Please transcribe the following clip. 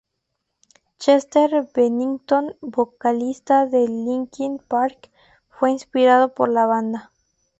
Chester Bennington, vocalista de Linkin Park, fue inspirado por la banda.